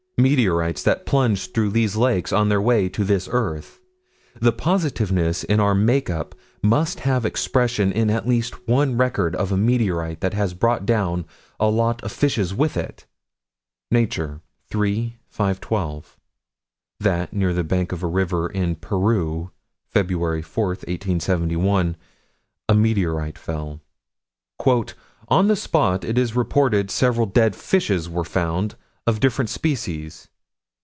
Meteorites that plunge through these lakes, on their way to this earth. The positiveness in our make up must have expression in at least one record of a meteorite that has brought down a lot of fishes with it Nature, 3 512: That, near the bank of a river, in Peru, Feb. 4, 1871, a meteorite fell. "On the spot, it is reported, several dead fishes were found, of different species."